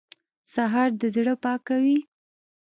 سهار د زړه پاکوي.